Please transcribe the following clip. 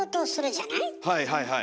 はいはいはい。